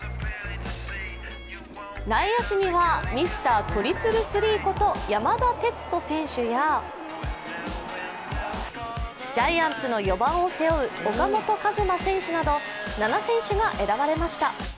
内野手にはミスタートリプルスリーこと山田哲人選手やジャイアンツの４番を背負う岡本和真選手など、７選手が選ばれました。